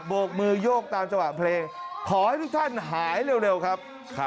โกกมือโยกตามจังหวะเพลงขอให้ทุกท่านหายเร็วครับ